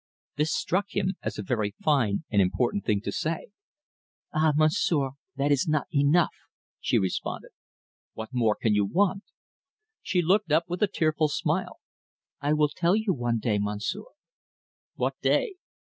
This struck him as a very fine and important thing to say. "Ah, Monsieur, that is not enough," she responded. "What more can you want?" She looked up with a tearful smile. "I will tell you one day, Monsieur." "What day?"